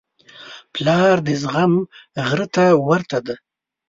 پلار د زغم غره ته ورته دی.